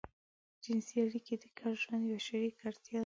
جنسي اړيکې د ګډ ژوند يوه شريکه اړتيا ده.